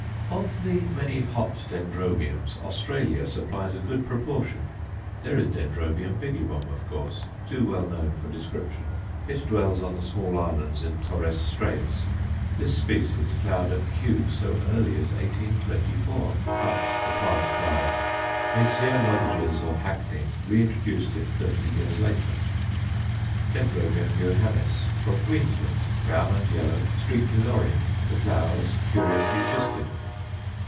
Of the many hot Dendrobiums, Australia supplies a good proportion. There is D. bigibbum, of course, too well known for description; it dwells on the small islands in Torres Straits. This species flowered at Kew so early as 1824, but the plant died. Messrs. Loddiges, of Hackney, re introduced it thirty years later. D. Johannis, from Queensland, brown and yellow, streaked with orange, the flowers curiously twisted.